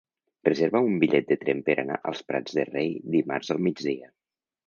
Reserva'm un bitllet de tren per anar als Prats de Rei dimarts al migdia.